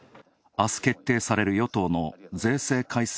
あす決定される与党の税制改正